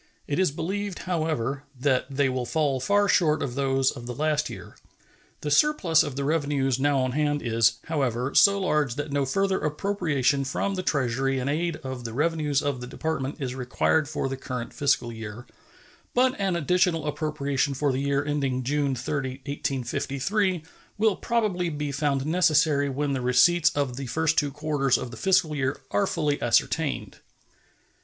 It is believed, however, that they will fall far short of those of the last year. The surplus of the revenues now on hand is, however, so large that no further appropriation from the Treasury in aid of the revenues of the Department is required for the current fiscal year, but an additional appropriation for the year ending June 30, 1853, will probably be found necessary when the receipts of the first two quarters of the fiscal year are fully ascertained.